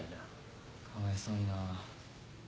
・かわいそうにな。